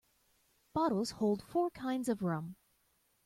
Bottles hold four kinds of rum.